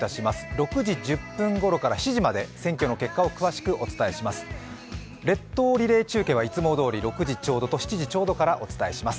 ６時１０分ごろから７時まで選挙結果を詳しくお伝えします。